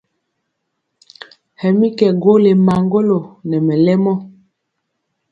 Hɛ mi kɛ gwo le maŋgolo nɛ mɛlɛmɔ.